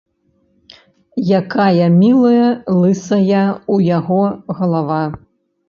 Якая мілая лысая ў яго галава!